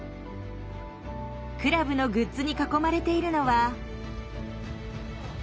クラブのグッズに囲まれているのは。